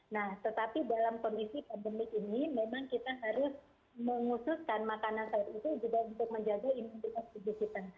nah tetapi dalam kondisi pandemik ini memang kita harus mengususkan makanan sehat itu juga untuk menjaga imunitas tubuh kita